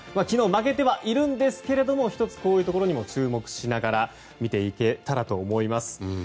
昨日、負けてはいるんですが１つ、こういうところにも注目しながら見ていけたらと思います。